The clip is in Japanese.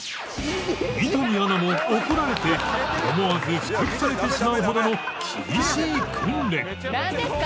三谷アナも怒られて思わずふてくされてしまうほどの厳しい訓練なんですか？